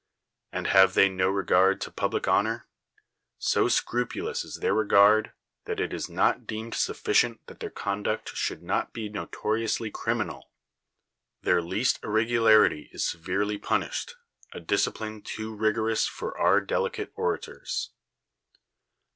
And have they no regard to public honor? So scrupulous is their regard, that it is not deemed sufficient that their conduct should not be notoriously criminal ; their least irregu larity is severely punished — a discipline too rig orous for our delicate orators.